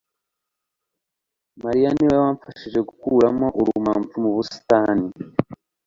mariya niwe wamfashije gukuramo urumamfu mu busitani